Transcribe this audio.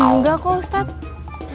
enggak kok ustadz